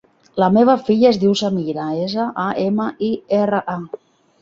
La meva filla es diu Samira: essa, a, ema, i, erra, a.